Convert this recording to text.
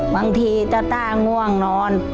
บางทีตะต้าง่วงนอน